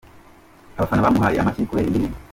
Abafana bamuhaye amashyi kubera iyi ndirimbo.